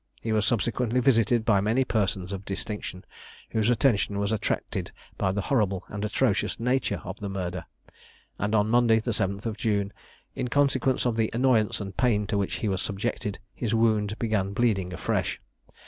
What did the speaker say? He was subsequently visited by many persons of distinction, whose attention was attracted by the horrible and atrocious nature of the murder; and on Monday the 7th June, in consequence of the annoyance and pain to which he was subjected, his wound began bleeding afresh.